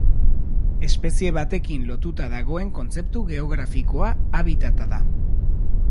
Espezie batekin lotuta dagoen kontzeptu geografikoa habitata da.